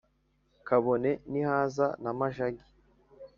kabone nihaza na mujagi,